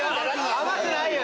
甘くないよ！